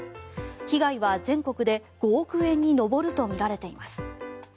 被害は全国で５億円に上るとみられています。